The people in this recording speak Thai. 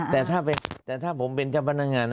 แต่ถ้าผมเป็นเจ้าพนักงาน